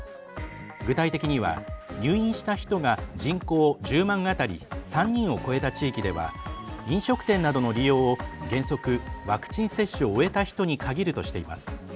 具体的には、入院した人が人口１０万当たり３人を超えた地域では飲食店などの利用を原則、ワクチン接種を終えた人に限るとしています。